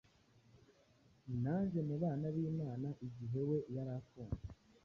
Naje mu Bana bImana, igihe we yarafunze